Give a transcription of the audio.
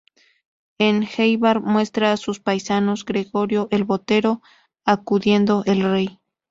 En Éibar, muestra a sus paisanos "Gregorio el Botero", acudiendo el rey.